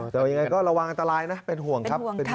แต่ว่ายังไงก็ระวังอันตรายนะเป็นห่วงครับ